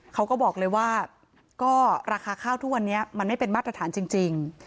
เขาก็บอกเลยว่าก็ราคาข้าวทุกวันนี้มันไม่เป็นมาตรฐานจริง